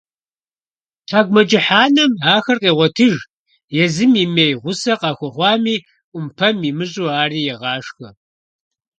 ТхьэкIумэкIыхь анэм ахэр къегъуэтыж, езым имеи гъусэ къахуэхъуами, Iумпэм имыщIу, ари егъашхэ.